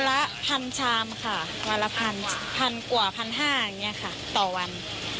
วันละพันชามค่ะวันละพันกว่าพันห้างเนี่ยค่ะต่อวัน